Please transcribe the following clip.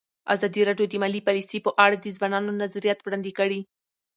ازادي راډیو د مالي پالیسي په اړه د ځوانانو نظریات وړاندې کړي.